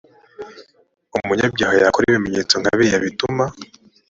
umunyabyaha yakora ibimenyetso b nka biriya bituma